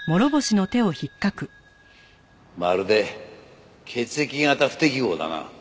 まるで血液型不適合だな。